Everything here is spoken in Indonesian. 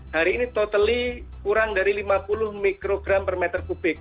hari ini totally kurang dari lima puluh mikrogram per meter kubik